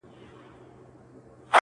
هېر ور څه مضمون دی او تفسیر خبري نه کوي,